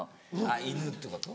あっ犬ってこと？